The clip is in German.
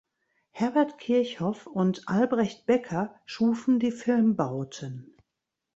Herbert Kirchhoff und Albrecht Becker schufen die Filmbauten.